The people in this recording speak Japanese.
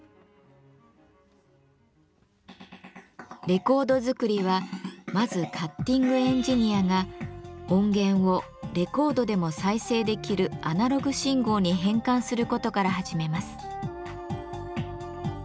レコード作りはまずカッティングエンジニアが音源をレコードでも再生できるアナログ信号に変換することから始めます。